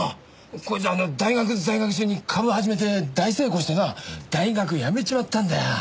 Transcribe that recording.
こいつあの大学在学中に株始めて大成功してな大学辞めちまったんだよ。